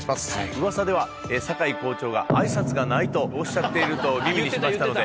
うわさでは堺校長が。とおっしゃっていると耳にしましたので。